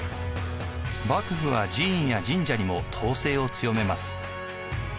幕府は寺院や神社にも統制を強めます。